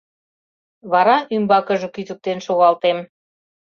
Вара ӱмбакыже кӱзыктен шогалтем.